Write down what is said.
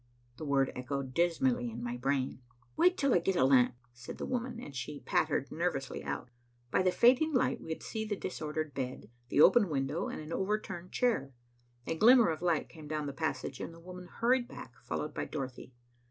The word echoed dismally in my brain. "Wait till I get a lamp," said the woman, and she pattered nervously out. By the fading light, we could see the disordered bed, the open window, and an overturned chair. A glimmer of light came down the passage, and the woman hurried back, followed by Dorothy.